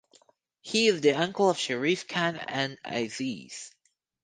He is the uncle of Sharif Khan and Aziz.